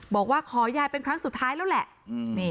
บอกว่าขอยายเป็นครั้งสุดท้ายแล้วแหละ